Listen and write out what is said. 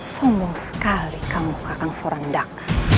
sombong sekali kamu kakak sorangdak